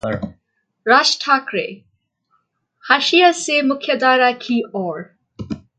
राज ठाकरे: हाशिए से मुख्यधारा की ओर